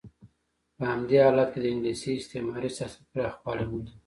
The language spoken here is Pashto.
په همدې حالت کې د انګلیس استعماري سیاست پراخوالی مونده.